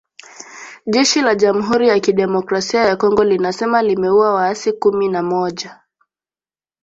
Jeshi la jamhuri ya kidemokrasia ya Kongo linasema limeua waasi kumina moja